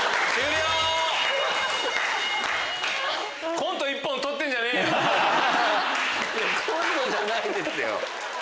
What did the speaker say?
コントじゃないですよ。